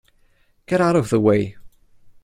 Get out of the way!